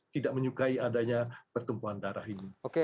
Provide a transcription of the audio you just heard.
tidak menyukai adanya pertumbuhan darah ini